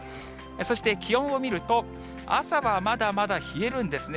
そして気温を見ると、朝はまだまだ冷えるんですね。